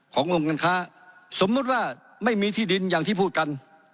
กรมการค้าสมมุติว่าไม่มีที่ดินอย่างที่พูดกัน